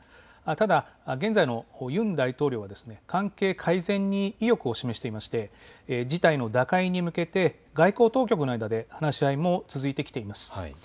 ただ現在のユン大統領は関係改善に意欲を示していまして事態の打開に向けて外交当局の間で話し合いも続いてきています。